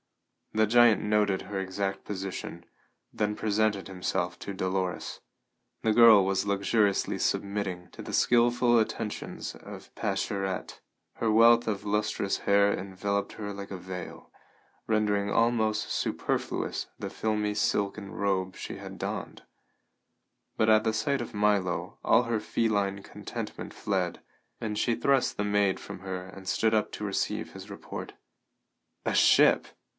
The giant noted her exact position, then presented himself to Dolores. The girl was luxuriously submitting to the skilful attentions of Pascherette; her wealth of lustrous hair enveloped her like a veil, rendering almost superfluous the filmy silken robe she had donned. But at sight of Milo all her feline contentment fled, and she thrust the maid from her and stood up to receive his report. "A ship?"